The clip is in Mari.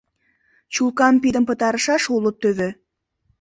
Чулкам пидын пытарышаш уло тӧвӧ...